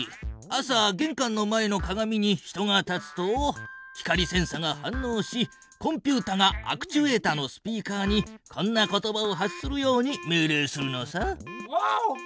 朝げんかんの前の鏡に人が立つと光センサが反のうしコンピュータがアクチュエータのスピーカーにこんな言葉を発するように命令するのさ。